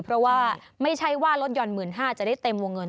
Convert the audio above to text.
เพราะว่าไม่ใช่ว่ารถยนต์๑๕๐๐บาทจะได้เต็มวงเงิน